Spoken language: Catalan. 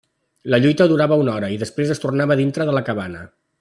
La lluita durava una hora i després es tornava a dintre la cabana.